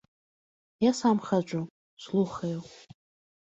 Я сам хаджу, слухаю.